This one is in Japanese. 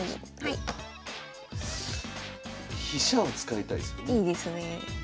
いいですね。